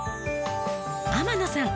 天野さん